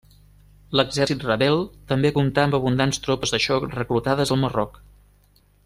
L'exèrcit rebel també comptà amb abundants tropes de xoc reclutades al Marroc.